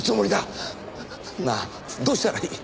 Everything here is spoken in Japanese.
なあどうしたらいい？